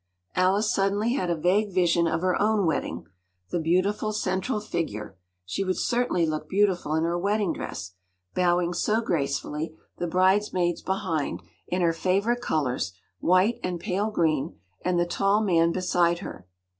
Alice suddenly had a vague vision of her own wedding; the beautiful central figure—she would certainly look beautiful in her wedding dress!—bowing so gracefully; the bridesmaids behind, in her favourite colours, white and pale green; and the tall man beside her.